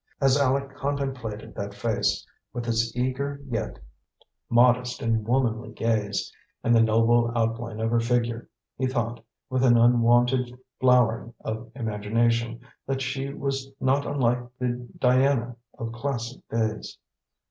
As Aleck contemplated that face, with its eager yet modest and womanly gaze, and the noble outline of her figure, he thought, with an unwonted flowering of imagination, that she was not unlike the Diana of classic days.